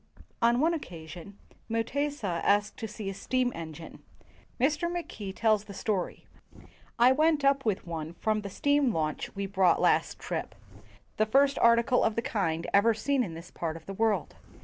"] On one occasion, Mutesa asked to see a steam engine. Mr. Mackay tells the story: "I went up w T ith one from the steam launch we brought last trip — the first article of the kind ever in this part of the world.